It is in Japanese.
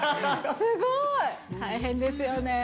すごい。大変ですよね。